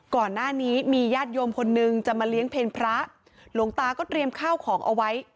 ก่อนหน้านี้มีญาติโยมคนนึงจะมาเลี้ยงเพลงพระหลวงตาก็เตรียมข้าวของเอาไว้